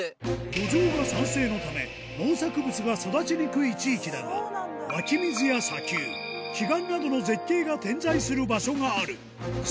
土壌が酸性のため、農作物が育ちにくい地域だが、湧き水や砂丘、奇岩などの絶景が点在する場所がある。